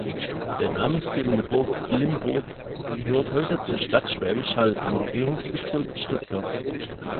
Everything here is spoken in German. Der namensgebende Burg Limpurg gehört heute zur Stadt Schwäbisch Hall im Regierungsbezirk Stuttgart.